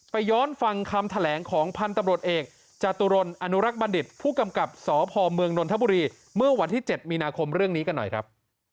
ย้อนฟังคำแถลงของพันธุ์ตำรวจเอกจตุรนอนุรักษ์บัณฑิตผู้กำกับสพเมืองนนทบุรีเมื่อวันที่๗มีนาคมเรื่องนี้กันหน่อยครับ